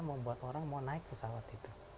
membuat orang mau naik pesawat itu